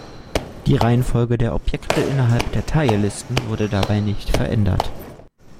Die Reihenfolge der Objekte innerhalb der Teillisten wurde dabei nicht verändert.